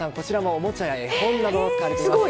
おもちゃや絵本が使われています。